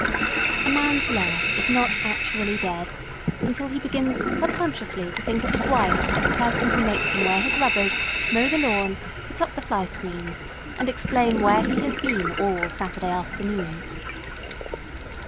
A man's love is not actually dead until he begins subconsciously to think of his wife as the person who makes him wear his rubbers, mow the lawn, put up the fly screens, and explain where he has been all Saturday afternoon.